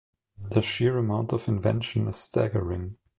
The sheer amount of invention is staggering.